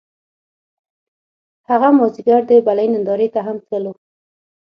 هغه مازیګر د بلۍ نندارې ته هم تللو